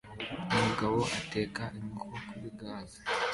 Umugabo ateka inkoko kuri gaz